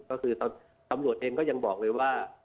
ก็คือตำรวจเองก็ยังบอกเลยว่า